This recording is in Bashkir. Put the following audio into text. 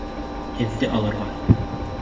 Һеҙҙе алырға.